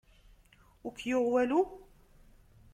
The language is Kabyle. Ur k-yuɣ walu?